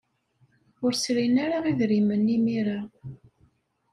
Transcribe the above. Ur srin ara idrimen imir-a.